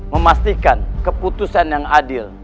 memastikan keputusan yang adil